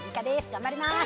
頑張ります。